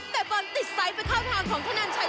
แต่บอลติดไซส์ไปเข้าทางของธนันชัย